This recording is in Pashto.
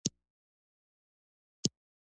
افغانستان په خپلو ښارونو ډېر غني هېواد دی.